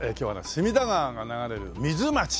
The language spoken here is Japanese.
隅田川が流れるミズマチ